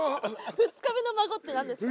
２日目の孫って何ですか。